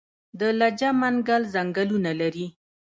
د لجه منګل ځنګلونه لري